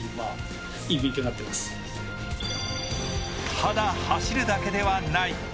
ただ走るだけではない。